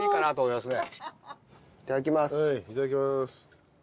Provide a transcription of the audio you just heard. いただきまーす。